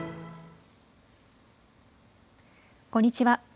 こんにちは。